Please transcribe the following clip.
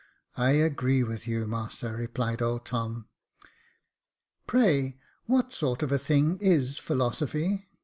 I agree with you, master," replied old Tom. Pray, what sort of a thing is philosophy